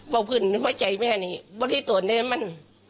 บอกพึ่งว่าใจแม่นี้บอกริตรวนเลยมัน